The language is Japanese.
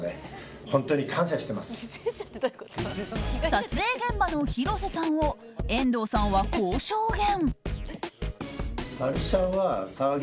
撮影現場の広瀬さんを遠藤さんは、こう証言。